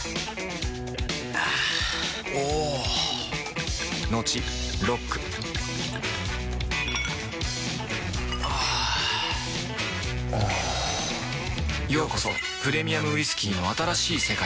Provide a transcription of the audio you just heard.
あぁおぉトクトクあぁおぉようこそプレミアムウイスキーの新しい世界へ